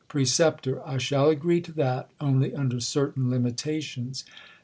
Preap, I shall agree to that only under certain limitations.